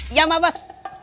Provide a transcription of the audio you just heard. iya emak bos